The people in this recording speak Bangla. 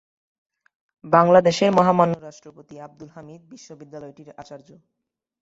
বাংলাদেশের মহামান্য রাষ্ট্রপতি আব্দুল হামিদ বিশ্ববিদ্যালয়টির আচার্য।